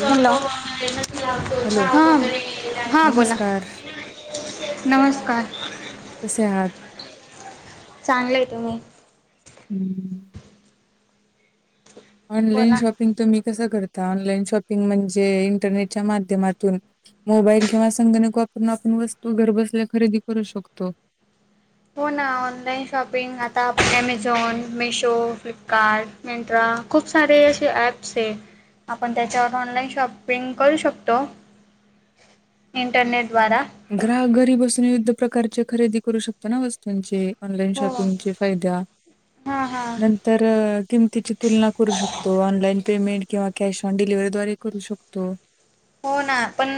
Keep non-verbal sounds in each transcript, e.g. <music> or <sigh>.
Hello hello हा हा बोला. नमस्कार नमस्कार! कसे आहात? चांगलेये, तुम्ही? हम्म. ऑनलाइन बोला शॉपिंग तुम्ही कसं करता? ऑनलाईन शॉपिंग म्हणजे इंटरनेटच्या माध्यमातून मोबाईल केव्हा संगणक वापरून आपण वस्तू घरबसल्या खरेदी करू शकतो. हो ना ऑनलाईन शॉपिंग आता ॲमेझॉन, मिशो, फ्लिपकार्ट, मिनतवा खूप सारे असे ॲप्स हे. आपण त्याच्यावरूनऑनलाईन शॉपिंग करू शकतो. इंटरनेट द्वारा ग्राहक घरी बसून विविध प्रकारचे खरेदी करू शकतो ना वस्तूंचे? ऑनलाइन हो शॉपिंगचे फायद्या हां हां नंत र किमतीची तुलना करू शकतो, ऑनलाइन पेमेंट किंवा कॅश ऑन डिलिव्हीद्वारे करू शकतो. हो ना पण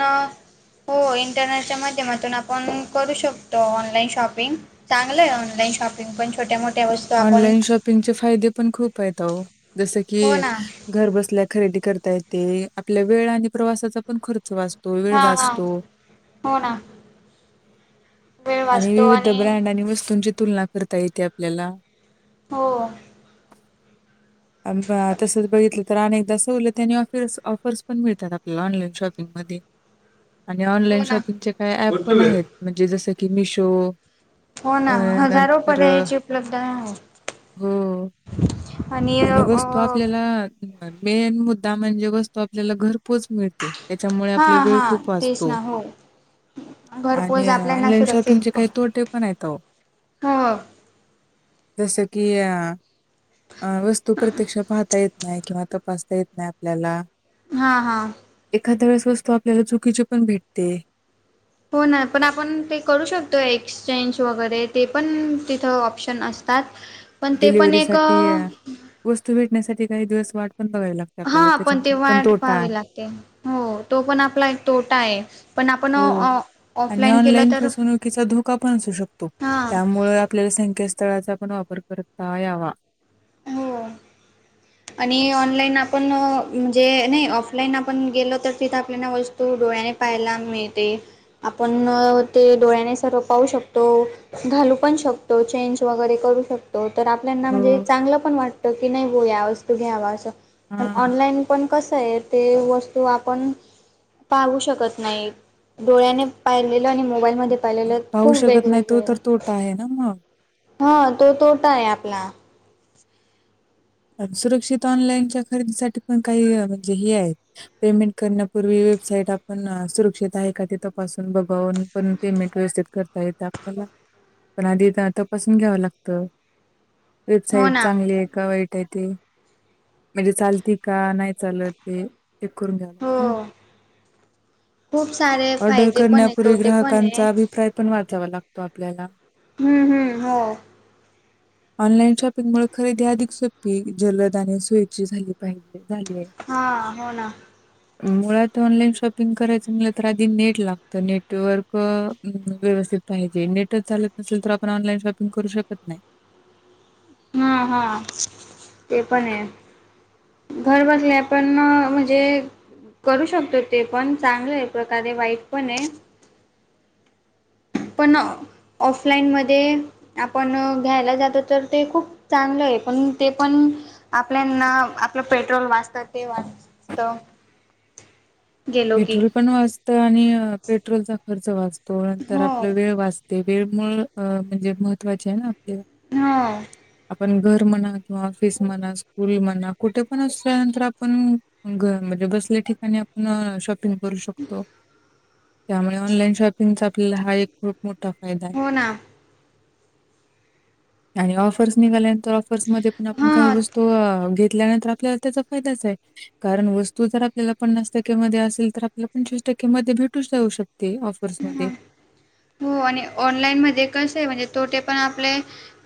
हो इंटरनेटच्या माध्यमातून आपण करू शकतो ऑनलाईन शॉपिंग चांगलंय ऑनलाईन शॉपिंग पण छोट्या मोठ्या वस्तू आपण ऑनलाईन शॉपिंगचे फायदे पण खूप आहेत अहो जसं की हो ना घर बसल्या खरेदी करता येते आपल्या वेळ आणि प्रवासाचा पण खर्च वाचतो वेळ हा हा वाचतो हो ना वेळ आणि वाचतो विविध ब्रँड आणि वस्तूंची तुलना करता येते आपल्याला हो तसंच बघितलं तर अनेकदा सवलती आणि ऑफिर्स ऑफर्स पण मिळतात आपल्याला ऑनलाईन शॉपिंगमध्ये आणि हो ऑनलाइन ना शॉपिंगचे काही ऍप पण आहेत म्हणजे जसं की मिशो हो ना हजारो पर्याची उपलब्ध आहे हो आणि वस्तू आपल्याला मेन मुद्दा म्हणजे वस्तू आपल्याला घर खूपच मिळते त्याच्यामुळे हा आपला वेळ हा खूप तेच वाचतो ना हो घरपोच आणि आपल्याना ऑनलाइन शॉपिंगचे सुरक्षित हो काही तोटे पण आहेत अहो जसं की अ अ वस्तू प्रत्यक्ष पाहता येत नाही किंवा तपासता येत नाही आपल्याला हा हा एखाद्या वेळेस वस्तू आपल्याला चुकीचे पण भेटते हो ना पण आपण ते करू शकतोय एक्सचेंज वगैरे ते पण तिथं ऑप्शन असतात पण ते पण डिलिव्हरी एक साठी वस्तू भेटण्यासाठी काही दिवस वाट पण बघावी लागत हा पण ते वाट पहावी लागते हो तो पण आपला एक तोटा आहे पण आपण हो आणि ऑफलाईन केलं ऑनलाईन तर फसवणुकीचा धोका पण असू शकतो हा त्यामुळं आपल्याला संखेतस्थळाचा पण वापर करता यावा हो आणि ऑनलाईन आपण म्हणजे नाही ऑफलाईन आपण गेलो तर तिथं आपल्या तो डोळ्याने पाहायला मिळते आपण ते डोळ्याने सर्व पाहू शकतो घालू पण शकतो चेंज वगैरे करू शकतो तर आपल्याना हो. म्हणजे चांगलं पण वाटत की नाही हो या वस्तू घ्यावा असं पण हां. ऑनलाईन आपण कसं आहे ते वस्तू आपण पाहू शकत नाही डोळ्याने पाहिलेलं आणि मोबाईलमध्ये पाहिलेलं पाहू खूप शकत नाही तो वेगवेगळे तर तोटा आहे ना मग हा तो तोटा आहे आपला आणि सुरक्षित ऑनलाईनच्या खरेदीसाठी पण काही म्हणजे हे आहेत पेमेंट करण्यापूर्वी वेबसाईट आपण सुरक्षित आहे का ते तपासून बघवून पण पेमेंट व्यवस्थित करता येत आपल्याला पण आधी तपासून घ्यावं लागत हो वेबसाईट ना चांगली आहे का वाईट ते म्हणजे चालते का नाही चालत ते चेक करून घ्यावं हो खूप सारे ऑर्डर फायदे पण आहे करण्यापूर्वी तोटे पण आहे. ग्राहकांचा अभिप्राय पण वाचावा लागतो आपल्याला हम्म हम्म हो ऑनलाईन शॉपिंग मुळ खरेदी अधिक सो पी जलदा आणि सोयची झाली पाहिजे झाली आहे हा हो ना मुळात ऑनलाईन शॉपिंग करायचं म्हटलं तर आधी नेट लागतं नेटवर्क व्यवस्थित पाहिजे नेटच चालत नसेल तर आपण ऑनलाईन शॉपिंग करू शकत नाही हम्म हा ते पण आहे घर बसल्या पण म्हणजे करू शकतो ते पण चांगल आहे एक प्रकारे वाईट पण आहे पण ऑफलाईनमध्ये आपण... घ्यायला जातो... तर ते खूप चांगलं ए... पण ते पण आपल्या... ना... आपलं पेट्रोल वाचतं... ते वाचतं पेट्रोल पण वाचतं... आणि पेट्रोलचा खर्च वाचतो, नंतर हो आपला वेळ वाचतो ते वेळ... मूळ... अ... म्हणजे, महत्त्वाचे हाये ना आपल्याला हो आपण घर म्हणा... किंवा ऑफिस म्हणा... स्कूल म्हणा, कुठे पण असल्यानंतर... आपण घर... म्हणजे बसल्या ठिकाणी आप पिंग करू शकतो. त्यामुळे, ऑनलाईन शॉपिंगचा आपल्याला हा एक खूप मोठा फायदा ए... हो ना आणि ऑफर्स निघाल्यां तर पर्स मध्ये पण... आपण हा काही वस्तू तो... घेतल्यानंतर... आपल्याला त्याचा फायदाच ए... कारण वस्तू जर आपल्याला पन्नास टक्क्यांमध्ये अस हे खरं आपल्या पंचवीस टक्के मध्ये, भेटून जाऊ शकते हा ऑफर्समध्ये हो... आणि ऑनलाईन मध्ये कसं ए... म्हणजे तोटे पण आपले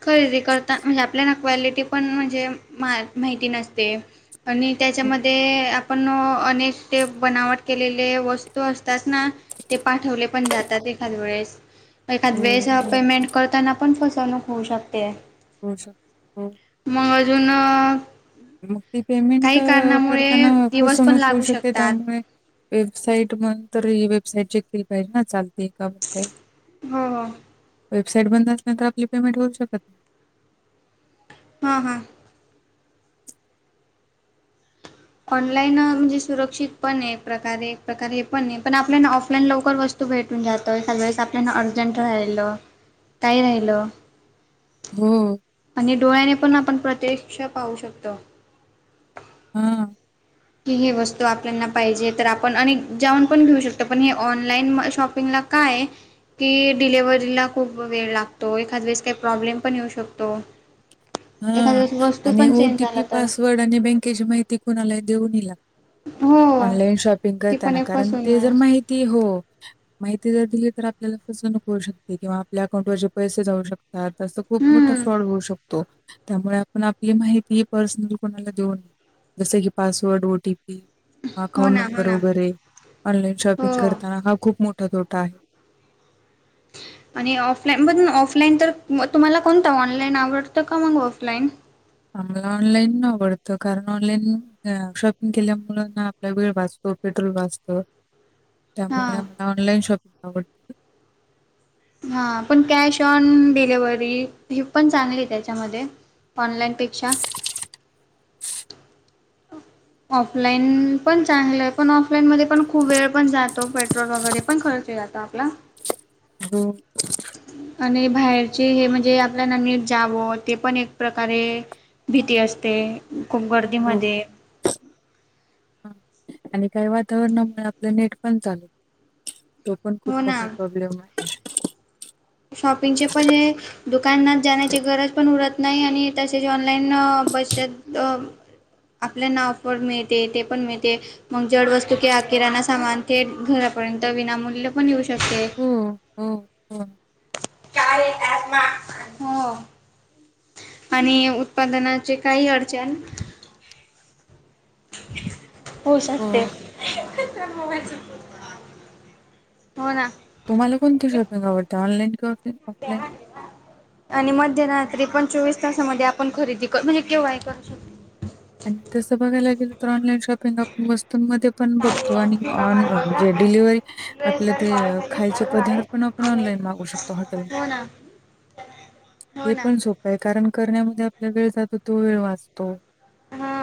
खरेदी करता... म्हणजे आपल्या... न.. क्वालिटी पण म्हणजे... मा.. माहिती नसते आणि हो, त्याच्यामध्ये आप पण... अनेक ते बनावट केलेले वस्तू असतात ना ते पाठवले पण जातात एखाद वेळेस... एखाद हो, वेळेस हो. पेमेंट करताना पण फसवणूक होऊ शकते हो हो मंग अजूून मग ते पेमेंट... करताना दिवस पण फसवणूक होऊ लागू शकते शकतात. त्यामुळे वेबसाईट मंतर... ही वेबसाईट चेक केली पाहीजे ना चाल- ते का होतय... हो हो वेबसाईट बंद असल्या नंतर आपली पेमेंट होऊच शकत नाही हां हां ऑनलाईन... म्हणजे सुरक्षित पण ए... एक प्रकारे... एक प्रकारे हे पण ए... पण आपल्याला ऑफलाईन लवकर वस्तू तू भेटून जातो. एखादं वेेळेस आपल्याला अर्जंट राहिलं, काही राहिलं हुं आणि डोळ्याने पण आपण प्रत्येक्ष पाहू शकतो. हुं. की हे वस्तू आपनला पाहिजे तर... आपण अनी... जाऊन पण घेऊ शकतो. पण हे ऑनलाईन शॉपिंगला... काय ए की डिलेवरीला खूप वेळ लागतो. एखाद वेळेस काई प्रॉब्लेम पण येऊ शकतो एखाद हा... वेळेस वस्तू आणि पण ओ चेंज टी पी, झाला तर पासवर्ड आणि बँकेची माहिती कोणालाही देऊ नाई लागत हो ऑनलाईन शॉपिंग ती पण करताना... एक कारण फसवणूक ते आहे जर माहित ती हो... माहिती जर दिली तर, आपल्याला फसवणूक होऊ शकते, किंवा आपल्या अकाउंटवरचे पैसे जाऊ शकता हा... तसा खूप मोठा हम्म फ्रॉड होऊ शकतो. त्यामुळे आपण आपली माहिती, पर्सनल कोणाला देऊ नये... जसं की पासवर्ड, ओ टी पी हो अकाउंट ना हो नंबर ना वगैरे... ऑनलाईन शॉपिंग हो करताना हा खूप मोठा तोटा आहे आणि ऑफलाईन... पण ऑफलाईन तर... तुम्हाला कोणतं ऑनलाईन आवडतं का मग ऑफलाईन? आम्हाला ऑनलाईन आवडतं... कारण ऑनलाईन शॉपिंग केल्यामुंळे ना आपला वेळ वाचतो, पेट्रोल वाचतं... त्यामुळे हां आम्हाला ऑनलाईन शॉपिंग आवडतं हा... पण... कॅश ऑन डिलेव्हरी... हे पण चांगली ए त्याच्यामध्ये ऑनलाईन पेक्षा ऑफलाईन... पण चांगलंये, पण ऑफलाईन मध्ये पण... खूप वेळ पण जातो, पेट्रोल वगैरे पण खर्च जातो ता आपला हो आणि बाहेरचे हे म्हणजे... आपल्याला नीट जावं... ते पण एक प्रकारे भीती असते... खूप गर्दीमध्ये हं... आणि काही वातावरणामुळे, आपलं नेट पण चालू तो पण खूप हो ना मोठा प्रॉब्लेम आहे शॉपिंगचे पण हे दुकानात जाण्याची गरज पण उरत. नाही आणि तसेच ऑनलाईन बसत. आपल्याना ऑफर मिळते ते पण मिळते. मग जड वस्तू किवा किराणा सामान ते घरापर्यंत विनामूल्य पण येऊ शकते. हो हो हो. काय हो. आणि उत्पादनाचे काही अडचण होऊ हो शकते. हो ना. तुम्हाला कोणती शॉपिंग आवडते ऑनलाईन ऑफ म ह ऑफलाईन? ना. आणि मध्यरात्री पण चोवीस तासामध्ये आपण खरेदी करन हे केव्हाही करू शकतो. आणि तसं बघायला गेलो तर ऑनलाईन शॉपिंग आपण वस्तूंमध्ये पण बघतो आणि ऑन म्हणजे डिलव्हरी आपल्या ते खायचे पदार्थ पण आपण ऑनलाईन मागू शकतो हॉटेल हो ना हो हे ना. पण सोप काय कारण करण्यामध्ये आपला वेळ जातो तो वेळ वाचतो. हा.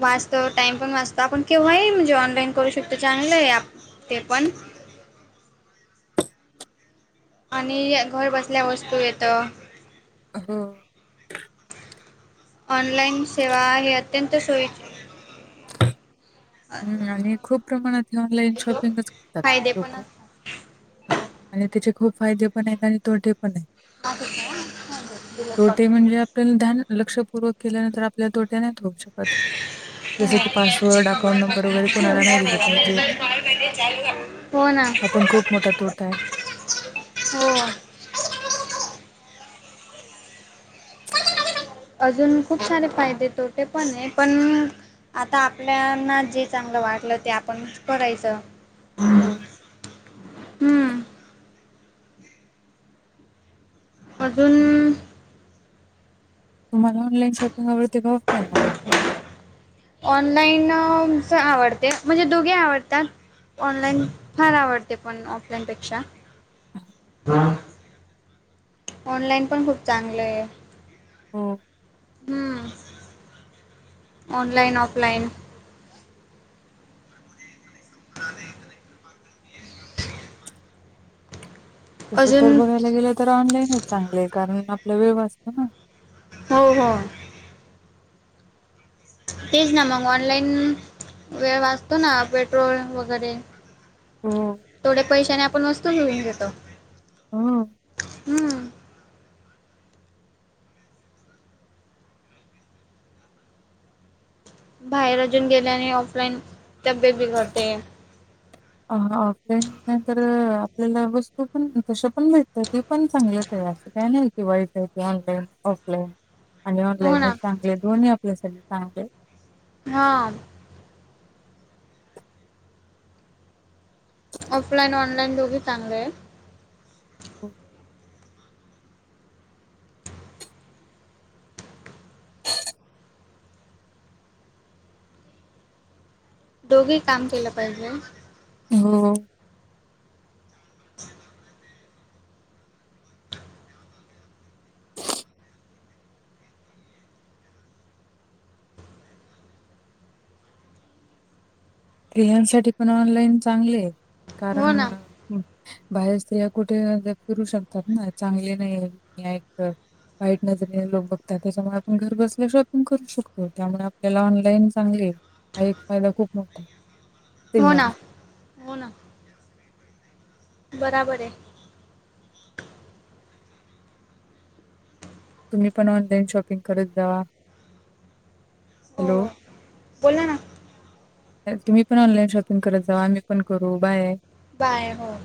वाचत टाइम पण वाजत आपण केव्हा आहे म्हणजे ऑनलाईन करू शकतो चांगलं आहे ते पण आणि घर बसल्या वस्तू येतं. ह हो. ऑनलाइन सेवा हे अत्यंत सोयीची हम्म आणि खूप प्रमाणात ऑनलाईन शॉपिंगच करतात फायदे पण लोक. असतात. आणि त्याचे खूप फायदे पण आहेत आणि तोटे पण आहेत. तोटे <unintelligible> म्हणजे लक्षपूर्वक केल्यानंतर आपल्या तोट्या होऊ शकत ज की पासवर्ड अकाउंट नंबर वगैरे कोणाला नाही दिले पाहिजेत आपण हो ना हा पण खूप मोठा तोट आहे. <unintelligible> हो. अजून खूप सारे फायदे तोटे पण आहे पण आता आपल्याना जे चांगलं वाटलं ते आपण करायचं. ह. हम्म अजून तुम्हाला ऑनलाईन शॉपिंग आवडते का ऑफलाईन आवडते. ऑनलाईन आवडते म्हणजे दोघे आवडतात. ऑनलाईन फार आवडते पण ऑफलाईन पेक्षा ऑनलाइन पण खूप चांगलं आहे. हो. हम् ऑनलाईन ऑफलाईन नाही नाही. तसं तर अजून बघायला गेलं तर ऑनलाईनच चांगलं आहे कारण आपला वेळ असतो ना. हो हो. तेच ना मग ऑनलाईन वेळ वाचतो ना पेट्रोल वगैरे हो. थोडे्या पैशाने आपण वस्तू घेऊन घेतो. हम. हम्म. बाहेर अजून गेल्याने ऑफलाईन तब्येत बिघडते. ऑफलाईन नंतर आपल्याला वस्तू पण तश पण माटतात. पण चांगलंच आहे असं काही नाही की वाईट आहे की ऑनलाईन ऑफलाईन आणि हो ऑनलाईन ना चांगले दोन्ही अल्यास चांगले. हा. ऑफलाईन ऑ ईन दोघीांले आहे हो दोघे काम केलं पाहिजे हो <inaudible> स्त्री यांसाठी पण ऑनलाईन चांगले आहे हो कारण ना बाहेरच या कुठे फिरू शकतात ना चांगले नाही वाईट नजरेने लोक बघतात त्याच्यामुळे आपण घर बसल्या शॉपिंग करू शकतो त्यामुळे आपल्याला ऑनलाईन चांगली आहे ह एकादा खूप आहे हो ना स्त्रियांचा. हो ना बराबर आहे तुम्ही पण ऑनलाईन शॉपिंग करत जावा हो हॅलो बोला ना तुम्ही पण ऑनलाईन शॉपिंग करत जा आम्ही पण करू बाय बाय हो